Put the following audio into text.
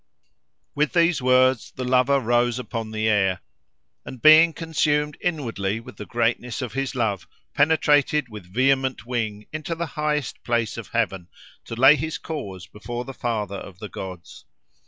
With these words, the lover rose upon the air; and being consumed inwardly with the greatness of his love, penetrated with vehement wing into the highest place of heaven, to lay his cause before the father of the gods.